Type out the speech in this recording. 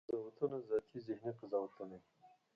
قضاوتونه ذاتي ذهني قضاوتونه دي.